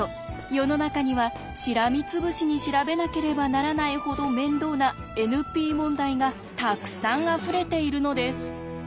世の中にはしらみつぶしに調べなければならないほど面倒なＮＰ問題がたくさんあふれているのです。